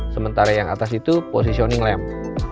sementara yang atas itu positioning lamp